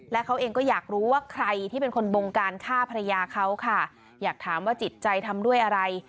และเขาเองก็อยากรู้ว่าใครที่เป็นคนบงการฆ่าภรรยาเขาค่ะอยากถามว่าจิตใจทำด้วยอะไร